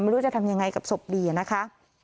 ไม่รู้จะทำยังไงกับศพดีนะคะ